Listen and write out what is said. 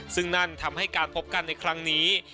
ซึ่งนั่นทำให้การพบกันในครั้งนี้